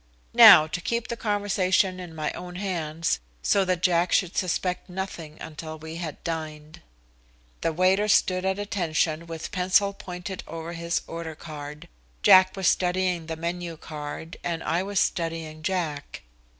Now to keep the conversation in my own hands, so that Jack should suspect nothing until we had dined. The waiter stood at attention with pencil pointed over his order card. Jack was studying the menu card, and I was studying Jack.